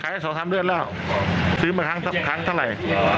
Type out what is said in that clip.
ขายให้สอดทำเลือดแล้วซื้อมาครั้งเท่าไหร่